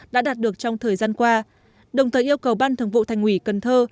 đã đạt được trong thời gian qua đồng thời yêu cầu ban thường vụ thành ủy cần thơ